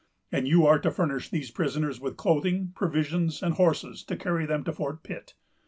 And you are to furnish these prisoners with clothing, provisions, and horses, to carry them to Fort Pitt.